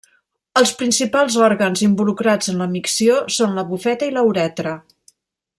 Els principals òrgans involucrats en la micció són la bufeta i la uretra.